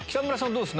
どうです？